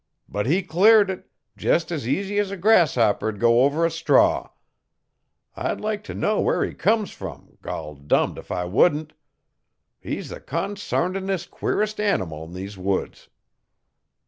But he cleared it jest as easy as a grasshopper'd go over a straw. I'd like t' know wher he comes from, gol dummed if I wouldn't. He's the consarndest queerest animal 'n these woods.'